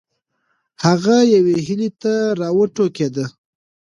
هغه یوې هیلې ته راوټوکېده.